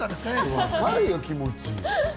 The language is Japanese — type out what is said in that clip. わかるよ、気持ち。